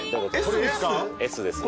Ｓですか？